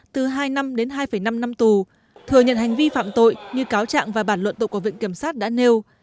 từ hai năm đến hai năm năm tù thừa nhận hành vi phạm tội như cáo trạng và bản luận tội của viện kiểm sát đã nêu